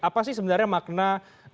apa sih sebenarnya makna